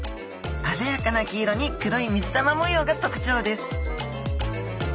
あざやかな黄色に黒い水玉模様が特徴です